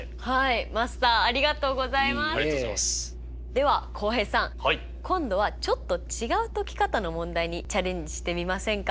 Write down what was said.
では浩平さん今度はちょっと違う解き方の問題にチャレンジしてみませんか？